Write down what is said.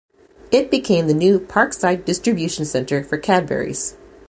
It became the new 'Parkside' distribution centre for Cadbury's.